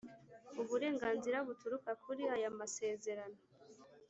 uburenganzira buturuka kuri ayo masezerano